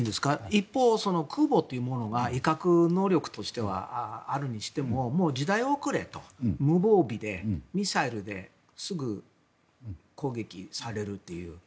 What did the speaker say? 一方、空母というものが威嚇能力としてはあるにしても時代遅れと、無防備でミサイルですぐ攻撃されるっていう。